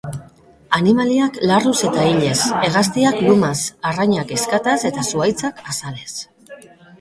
Animaliak larruz eta ilez, hegaztiak lumaz, arrainak ezkataz eta zuhaitzak azalez.